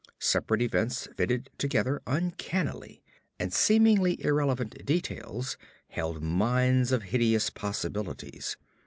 Separate events fitted together uncannily, and seemingly irrelevant details held mines of hideous possibilities.